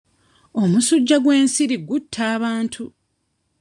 Omusujja gw'ensiri gutta abantu.